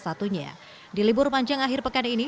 satunya di libur panjang akhir pekan ini